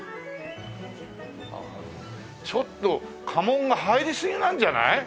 ちょっと家紋が入りすぎなんじゃない？